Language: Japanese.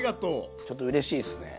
ちょっとうれしいっすね。